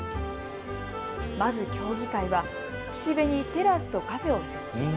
まず協議会は、岸辺にテラスとカフェを設置。